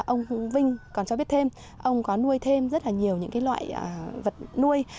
ông vinh còn cho biết thêm ông có nuôi thêm rất là nhiều những loại vật nuôi